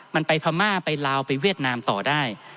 มันไปพม่าไปลาวไปเวียดนามต่อได้